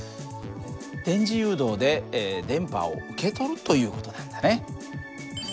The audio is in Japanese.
電磁誘導で電波を受け取るという事なんだね。